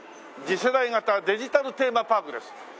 次世代型デジタルテーマパーク」です。